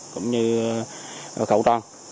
cũng như khẩu trang